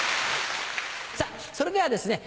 それではですね